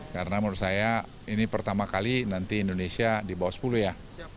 karena menurut saya ini pertama kali nanti indonesia di bawah sepuluh ya